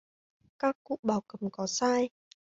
Các cụ bảo cấm có sai